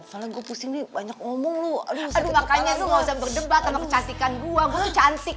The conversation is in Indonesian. kalau gue pusing banyak ngomong lu aduh makanya nggak usah berdebat sama kecantikan gua gue cantik